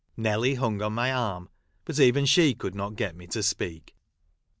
Nelly hung on my arm, but even she coxild not get me to speak.